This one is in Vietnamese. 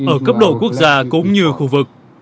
ở cấp độ quốc gia cũng như khu vực